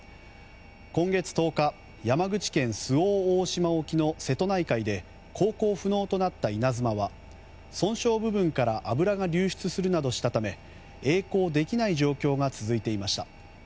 今月１０日山口県周防大島沖の瀬戸内海で航行不能となった「いなづま」は損傷部分から油が流出するなどしたためえい航できない状況が続いていました。